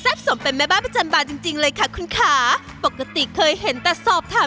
เรามานี่กันดีไหม